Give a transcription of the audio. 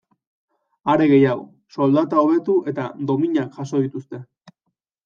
Are gehiago, soldata hobetu eta dominak jaso dituzte.